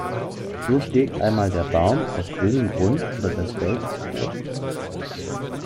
So steht einmal der Baum auf grünem Grund oder das Feld ist rot.